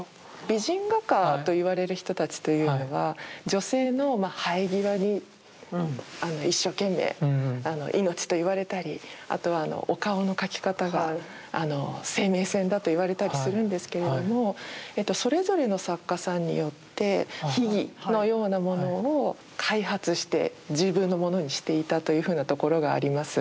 美人画家と言われる人たちというのは女性の生え際に一生懸命命と言われたりあとはお顔の描き方が生命線だと言われたりするんですけれどもそれぞれの作家さんによって秘技のようなものを開発して自分のものにしていたというふうなところがあります。